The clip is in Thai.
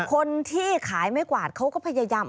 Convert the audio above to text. คนที่ขายไม่กวาดเขาก็พยายาม